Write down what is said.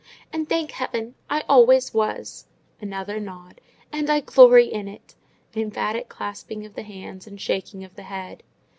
"And, thank heaven, I always was" (another nod), "and I glory in it!" (an emphatic clasping of the hands and shaking of the head).